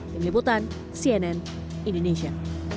tim liputan cnn indonesia